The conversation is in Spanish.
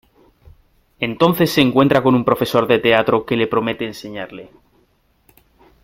Entonces se encuentra con un profesor de teatro que le promete enseñarle.